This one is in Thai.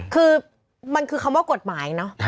คือมันคือคำว่ากฎหมายเนอะ